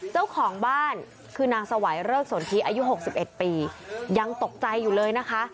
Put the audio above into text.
เจ้าของบ้านคือนางสวัยเริกสนทิอายุ๖๑ปียังตกใจอยู่เลยนะคะ